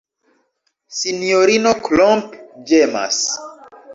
Sinjorino Klomp ĝemas.